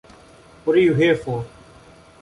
What are you here for?